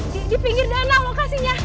di pinggir dana lokasinya